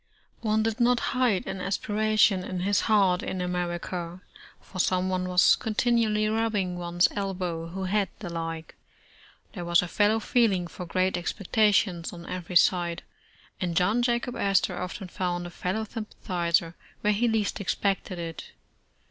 ' One did not hide an aspiration in his heart in America, for someone was continually rubbing one's elbow, who had the like. There was a fellow feeling for great expectations on every side, and John Jacob As tor often found a fellow sympathizer where he least expected it.